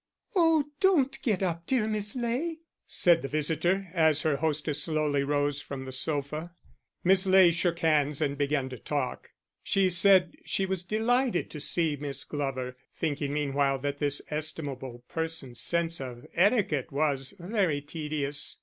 "Oh, don't get up, dear Miss Ley," said the visitor, as her hostess slowly rose from the sofa. Miss Ley shook hands and began to talk. She said she was delighted to see Miss Glover, thinking meanwhile that this estimable person's sense of etiquette was very tedious.